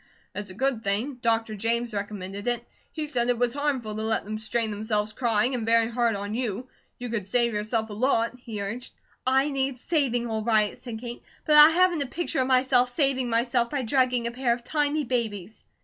"It's a good thing. Dr. James recommended it. He said it was harmful to let them strain themselves crying, and very hard on you. You could save yourself a lot," he urged. "I need saving all right," said Kate, "but I haven't a picture of myself saving myself by drugging a pair of tiny babies."